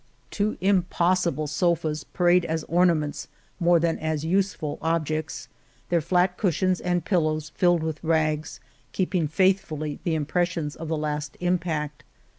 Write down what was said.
Two impossible sofas parade as ornaments more than as useful ob jects, their flat cushions and pillows, filled with rags, keeping faithfully the impressions of the last impact.